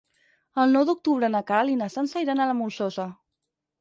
El nou d'octubre na Queralt i na Sança iran a la Molsosa.